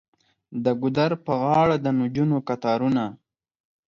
د ګودر په غاړه د نجونو کتارونه.